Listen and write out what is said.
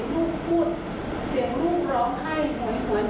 และคุณแม่คุณเขาว่าคุณแม่คุณ